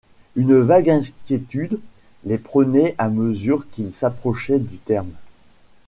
Une vague inquiétude les prenait à mesure qu’ils s’approchaient du terme.